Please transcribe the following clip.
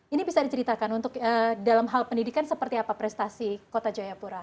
ini bisa diceritakan untuk dalam hal pendidikan seperti apa prestasi kota jayapura